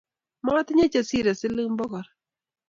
Matinye che sirei siling pokol